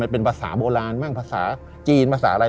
เป็นภาษาโบราณบ้างภาษาจีนภาษาอะไร